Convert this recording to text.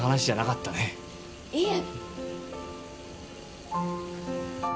いえ。